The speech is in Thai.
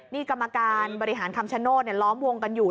นี่กรรมการบริหารคำชโนธล้อมวงกันอยู่